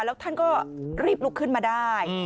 แล้วท่านก็รีบลุกขึ้นมาได้